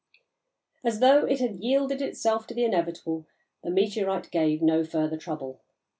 As though it had yielded itself to the inevitable, the meteorite gave no further trouble.